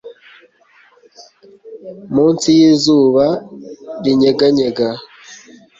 munsi y'izuba rinyeganyega